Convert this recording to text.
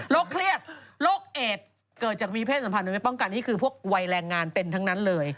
เครียดโรคเอดเกิดจากมีเพศสัมพันธ์โดยไม่ป้องกันนี่คือพวกวัยแรงงานเป็นทั้งนั้นเลย